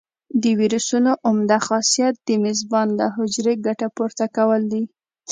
د ویروسونو عمده خاصیت د میزبان له حجرې ګټه پورته کول دي.